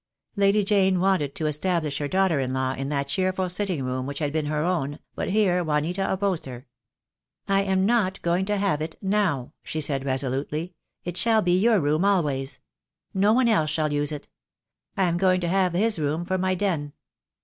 Lady Jane wanted to establish her daughter in law in that cheerful sitting room which had been her own, but here Juanita opposed her. "I am not going to have it — now," she said, resolutely. "It shall be your room always. No one else shall use it. I am going to have his room for my den."